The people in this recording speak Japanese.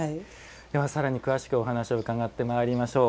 ではさらに詳しくお話を伺ってまいりましょう。